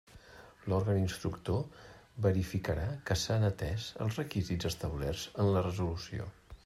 L'òrgan instructor verificarà que s'han atés els requisits establerts en la resolució.